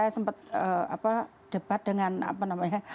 sempat debat dengan apa namanya